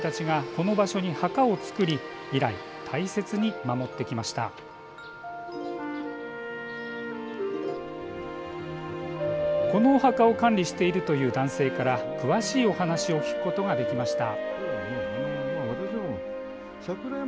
このお墓を管理しているという男性から詳しいお話を聞くことができました。